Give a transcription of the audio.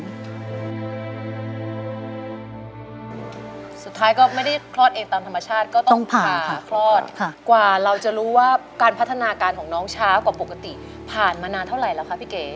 สุดท้ายก็ไม่ได้คลอดเองตามธรรมชาติก็ต้องผ่าคลอดกว่าเราจะรู้ว่าการพัฒนาการของน้องช้ากว่าปกติผ่านมานานเท่าไหร่แล้วคะพี่เก๋